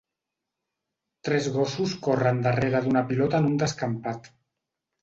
Tres gossos corren darrere d'una pilota en un descampat.